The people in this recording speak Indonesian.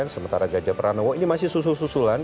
sementara gajah pranowo ini masih susul susulan